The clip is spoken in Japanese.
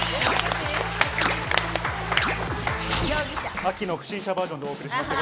秋の不審者バージョンでお送りしました。